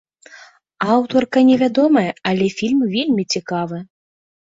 Аўтарка невядомая, але фільм вельмі цікавы.